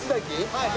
はい。